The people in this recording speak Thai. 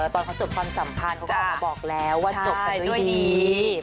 ตอนเขาจบความสำคัญพวกเขาก็บอกแล้วว่าจบกันด้วยดี